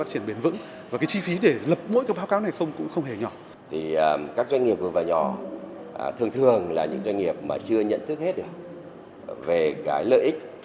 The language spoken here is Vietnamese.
tôi lấy ví dụ như là nhiều các doanh nghiệp vừa và nhỏ thường thường là những doanh nghiệp mà chưa nhận thức hết về cái lợi ích